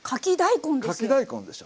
かき大根ですよ！